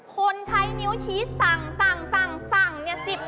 ค่อนข้างหนึ่งสิ